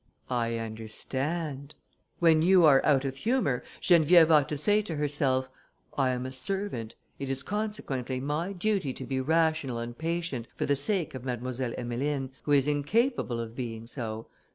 "I understand. When you are out of humour, Geneviève ought to say to herself, 'I am a servant, it is consequently my duty to be rational and patient, for the sake of Mademoiselle Emmeline, who is incapable of being so.